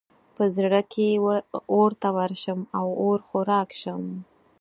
په زړه کې اور ته ورشم او اور خوراک شم.